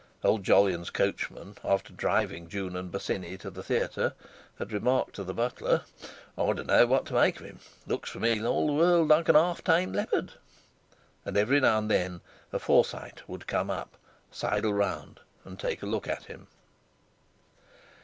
Old Jolyon's coachman, after driving June and Bosinney to the theatre, had remarked to the butler: "I dunno what to make of 'im. Looks to me for all the world like an 'alf tame leopard." And every now and then a Forsyte would come up, sidle round, and take a look at him.